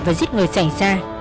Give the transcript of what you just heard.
và giết người xảy ra